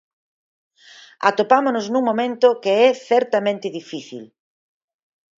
Atopámonos nun momento que é certamente difícil.